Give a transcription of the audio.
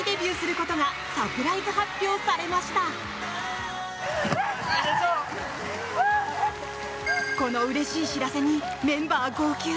このうれしい知らせにメンバー一同号泣。